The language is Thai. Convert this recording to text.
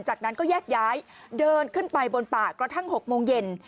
จากนั้นก็แยกย้ายเดินขึ้นไปบนป่ากระทั่ง๖โมงเย็น